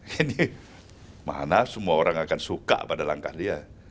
ini mana semua orang akan suka pada langkah dia